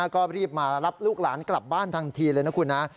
ก็รีบมารับลูกหลานกลับบ้านทันทีเลยนะคุณนะ